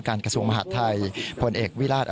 การกระทรวงมหาธัยผลเอกวิราตพ์